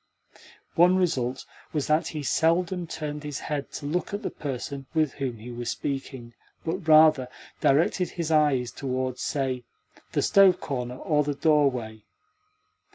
One result was that he seldom turned his head to look at the person with whom he was speaking, but, rather, directed his eyes towards, say, the stove corner or the doorway.